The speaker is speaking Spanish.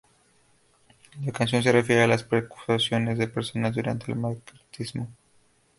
La canción se refiere a las persecuciones de personas durante el macartismo.